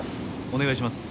お願いします。